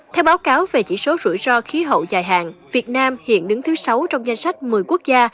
theo báo cáo về chỉ số rủi ro khí hậu dài hạn việt nam hiện đứng thứ sáu trong danh sách một mươi quốc gia